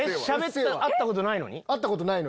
会ったことないのに？